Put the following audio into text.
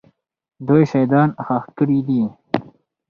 دوی شهیدان ښخ کړي دي.